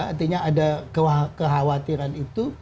artinya ada kekhawatiran itu